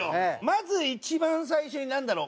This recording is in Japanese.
まず一番最初になんだろう？